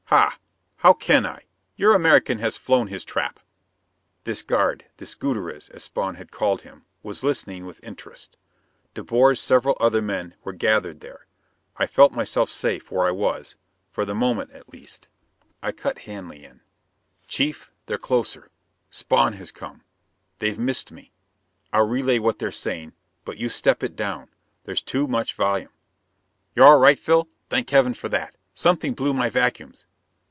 "Hah! How can I? Your American has flown his trap." This guard this Gutierrez, as Spawn had called him was listening with interest. De Boer's several other men were gathered there. I felt myself safe where I was, for the moment at least. I cut Hanley in. "Chief, they're closer! Spawn has come! They've missed me! I'll relay what they're saying, but you step it down; there's too much volume." "You're all right, Phil? Thank Heaven for that! Something blew my vacuums."